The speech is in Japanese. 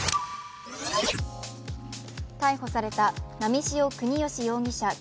逮捕された波汐國芳容疑者